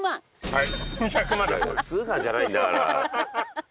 はい！